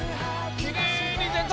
きれいにでた！